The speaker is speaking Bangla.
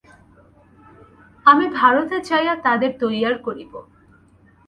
আমি ভারতে যাইয়া তাদের তৈয়ার করিব।